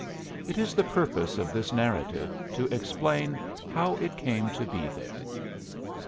It is the purpose of this narrative to explain how it came to be there.